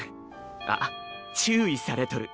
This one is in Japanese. あっ注意されとる。